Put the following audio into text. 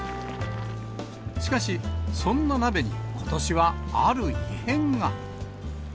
しかし、そんな鍋に、ことしはある異変が。